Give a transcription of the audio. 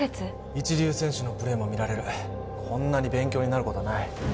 一流選手のプレーも見られるこんなに勉強になることはない